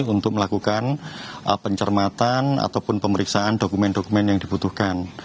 untuk melakukan pencermatan ataupun pemeriksaan dokumen dokumen yang dibutuhkan